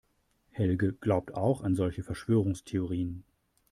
Helge glaubt auch an solche Verschwörungstheorien.